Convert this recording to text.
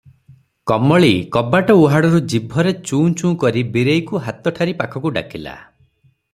କମଳୀ କବାଟ ଉହାଡ଼ରୁ ଜିଭରେ ଚୁଁ- ଚୁଁ କରି ବୀରେଇକୁହାତ ଠାରି ପାଖକୁ ଡାକିଲା ।